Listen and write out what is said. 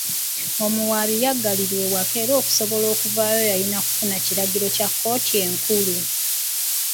Omuwaabi yaggalirwa ewaka era okusobola okuvaayo yalina kufuna kiragiro kya kkooti enkulu.